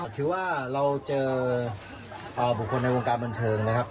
ถือว่าเราเจอบุคคลในวงการบันเทิงนะครับ